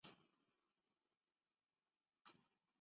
邹衍是中国战国时期阴阳家学派创始者与代表人物。